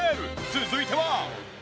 続いては。